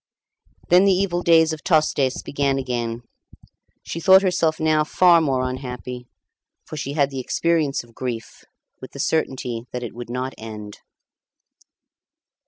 Then the evil days of Tostes began again. She thought herself now far more unhappy; for she had the experience of grief, with the certainty that it would not end.